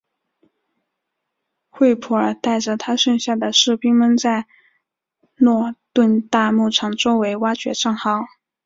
惠普尔带着他剩下的士兵们在诺顿大牧场周围挖掘战壕。